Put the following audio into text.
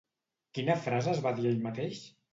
Quina frase es va dir a ell mateix?